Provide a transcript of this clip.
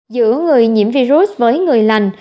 giữa người nhiễm virus với người lành